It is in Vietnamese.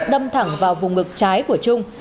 đâm thẳng vào vùng ngực trái của trung